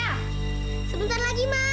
sebentar lagi ma